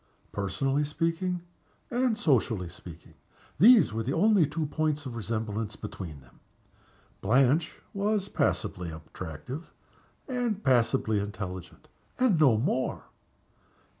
Personally speaking, and socially speaking, these were the only points of resemblance between them. Blanche was passably attractive and passably intelligent, and no more.